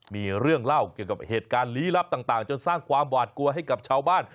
มีเรื่องเล่าเกี่ยวกับเหตุการณ์ลี้ลับต่างจนสร้างความหวาดกลัวให้กับชาวบ้าน